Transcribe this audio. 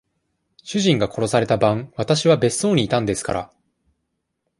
主人が殺された晩、私は別荘にいたんですから。